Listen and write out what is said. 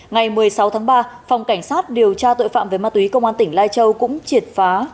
ngày một mươi sáu tháng ba phòng cảnh sát điều tra tội phạm về ma túy công an tỉnh lai châu cũng triệt phá